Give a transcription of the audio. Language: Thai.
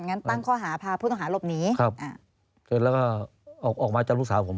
งั้นตั้งข้อหาพาผู้ต้องหาหลบหนีครับอ่าเสร็จแล้วก็ออกออกมาจากลูกสาวผม